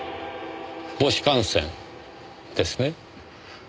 母子感染ですね。